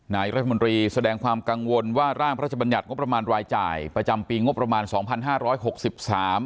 นายรัฐมนตรีแสดงความกังวลว่าร่างพระชบัญญัติงบประมาณรายจ่ายประจำปีงบประมาณสองพันห้าร้อยหกสิบสาม